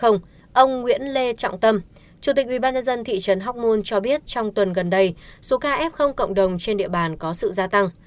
ông nguyễn lê trọng tâm chủ tịch ubnd thị trấn hóc môn cho biết trong tuần gần đây số ca f cộng đồng trên địa bàn có sự gia tăng